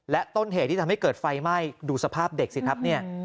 ต้นเหตุที่ทำให้เกิดไฟไหม้ดูสภาพเด็กสิครับเนี่ย